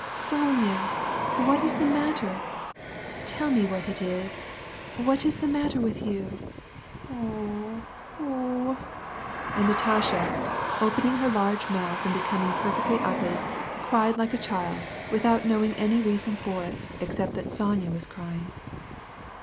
"Sonya! what is the matter? Tell me what is it; what is the matter with you? Oo oo oo!" And Natasha, opening her large mouth and becoming perfectly ugly, cried like a child, without knowing any reason for it except that Sonya was crying.